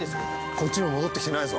こっちにも戻って来てないぞ。